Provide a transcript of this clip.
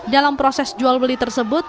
dalam proses jual beli tersebut